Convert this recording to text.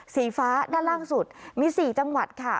สีฟ้าด้านล่างสุดมี๔จังหวัดค่ะ